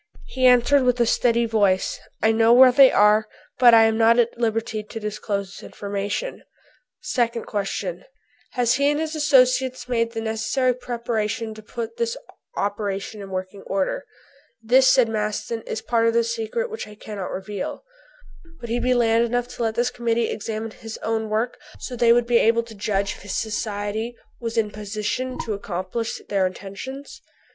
He answered with a steady voice, "I know where they are, but I am not at liberty to disclose this information." Second question: "Have he and his associates made the necessary preparations to put this operation in working order?" "This," said Maston, "is a part of the secret which I cannot reveal." "Would he be man enough to let this Committee examine his own work, so they would be able to judge if his Society would be in position to accomplish their intentions?"